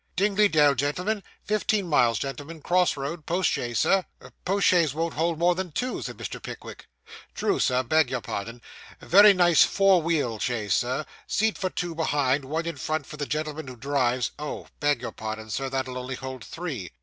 'Dingley Dell, gentlemen fifteen miles, gentlemen cross road post chaise, sir?' 'Post chaise won't hold more than two,' said Mr. Pickwick. 'True, sir beg your pardon, sir. Very nice four wheel chaise, sir seat for two behind one in front for the gentleman that drives oh! beg your pardon, sir that'll only hold three.